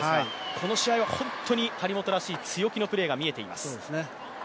この試合は本当に張本らしい、強気のプレーが見えています。